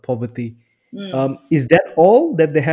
apakah itu semua yang mereka